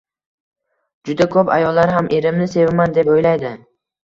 Juda koʻp ayollar ham erimni sevaman deb oʻylaydi